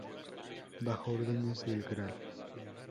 Bajo órdenes del Gral.